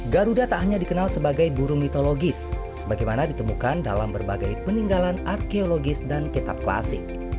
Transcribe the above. garuda tak hanya dikenal sebagai burung mitologis sebagaimana ditemukan dalam berbagai peninggalan arkeologis dan kitab klasik